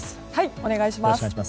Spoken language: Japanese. お願いします。